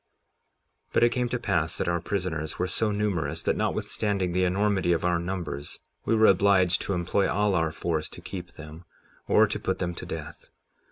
57:13 But it came to pass that our prisoners were so numerous that, notwithstanding the enormity of our numbers, we were obliged to employ all our force to keep them, or to put them to death.